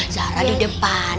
zara di depan